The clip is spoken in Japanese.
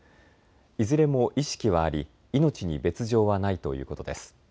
いずれも意識はあり命に別状はないということです。